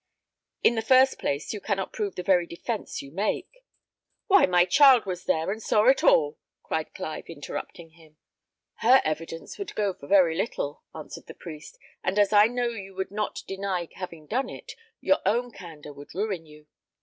In the first place, you cannot prove the very defence you make " "Why, my child was there, and saw it all!" cried Clive, interrupting him. "Her evidence would go for very little," answered the priest; "and as I know you would not deny having done it, your own candour would ruin you.